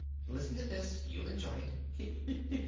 Listen to this: You'll enjoy it tee, hee, hee!